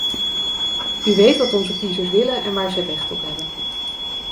U weet wat onze kiezers willen en waar zij recht op hebben.